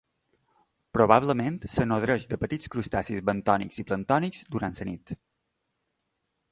Probablement es nodreix de petits crustacis bentònics i planctònics durant la nit.